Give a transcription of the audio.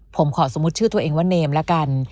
ผมขอสมมุติชื่อตัวเองว่าเนมละกัน